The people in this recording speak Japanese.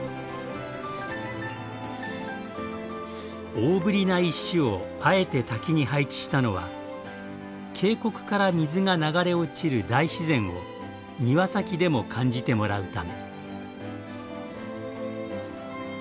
大ぶりな石をあえて滝に配置したのは「渓谷から水が流れ落ちる大自然」を庭先でも感じてもらうため。